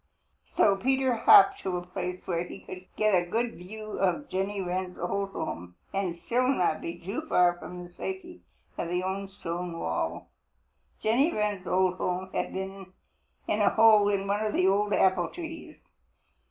So Peter hopped to a place where he could get a good view of Jenny Wren's old home and still not be too far from the safety of the old stone wall. Jenny Wren's old home had been in a hole in one of the old apple trees.